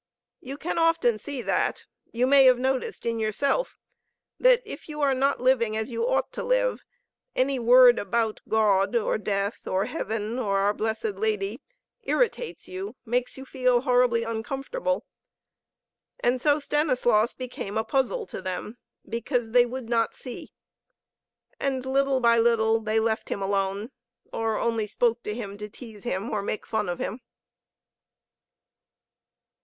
You can often see that. You may have noticed in yourself that, if you are not living as you ought to live, any word about God or death or heaven or our Blessed Lady irritates you, makes you feel horribly uncomfortable. And so Stanislaus became a puzzle to them, because they would not see. And little by little they left him alone, or only spoke to him to tease him or make fun of him.